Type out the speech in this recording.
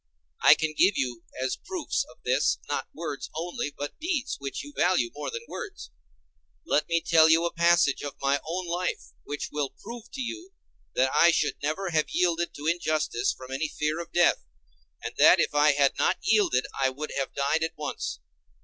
I can give you as proofs of this, not words only, but deeds, which you value more than words. Let me tell you a passage of my own life, which will prove to you that I should never have yielded to injustice from any fear of death, and that if I had not yielded I should have died at once.